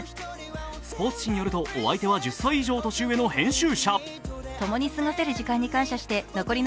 スポーツ紙によると、お相手は１０歳以上年上の編集者。